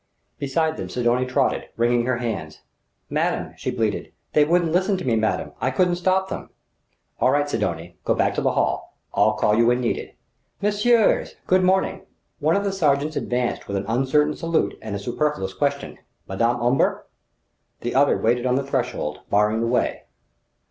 Behind them Sidonie trotted, wringing her hands. "Madame!" she bleated "they wouldn't listen to me, madame I couldn't stop them!" "All right, Sidonie. Go back to the hall. I'll call you when needed.... Messieurs, good morning!" One of the sergents advanced with an uncertain salute and a superfluous question: "Madame Omber ?" The other waited on the threshold, barring the way.